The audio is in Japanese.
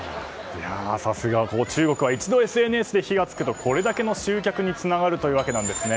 さすが、中国は一度ＳＮＳで火が付くとこれだけの集客につながるというわけですね。